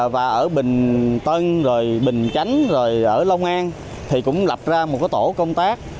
và ở bình tân bình chánh lông an thì cũng lập ra một tổ công tác